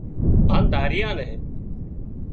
هانَ ڌرايئان نين